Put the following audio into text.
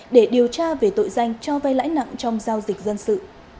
để điều tra về tội danh cho vay lãi nặng trong giao dịch dân sự